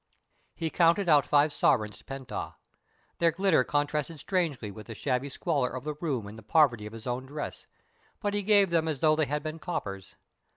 He counted out five sovereigns to Pent Ah. Their glitter contrasted strangely with the shabby squalor of the room and the poverty of his own dress, but he gave them as though they had been coppers.